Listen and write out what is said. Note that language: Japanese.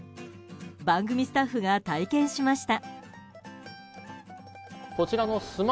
番組スタッフが体験しました。